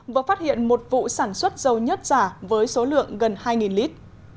vừa phát hiện một vụ sản xuất dầu nhất giả với số lượng gần hai lít